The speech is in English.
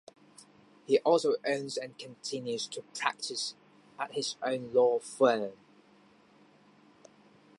He also owns and continues to practice at his own law firm.